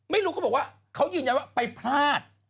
ไม่รู้เขาบอกว่าเขายืนยันว่าไปพลาด